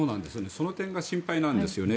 その点が心配なんですよね。